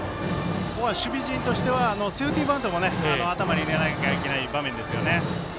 守備陣としてはセーフティーバントも頭に入れなきゃいけない場面です。